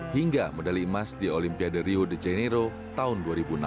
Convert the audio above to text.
hingga medali emas di olimpiade rio de janeiro tahun dua ribu enam belas